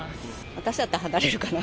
私やったら離れるかな。